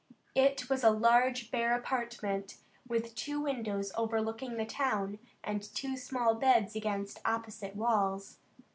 It was a large bare apartment with two windows overlooking the town, and two small beds against opposite walls.